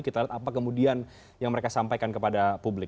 kita lihat apa kemudian yang mereka sampaikan kepada publik